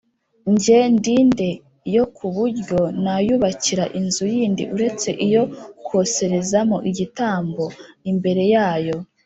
jye ndi nde y ku buryo nayubakira inzu yindi uretse iyo koserezamo igitambo imbere yayo